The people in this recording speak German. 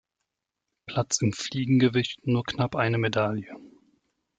Platz im Fliegengewicht nur knapp eine Medaille.